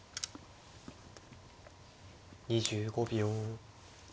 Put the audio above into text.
２５秒。